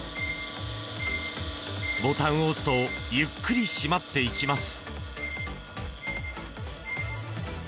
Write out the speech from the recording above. ボタンを押すとゆっくり閉まっていきます。